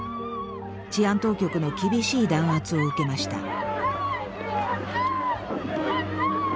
治安当局の厳しい弾圧を受けました。